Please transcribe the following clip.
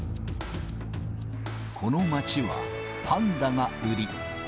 この街はパンダが売り。